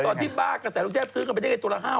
ตอนที่บ้ากระแสลูกเทพซื้อกันไปได้ตัวละ๕๐๐